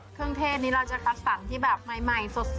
เครื่องเทศนี้เราจะคัดสรรที่แบบใหม่สด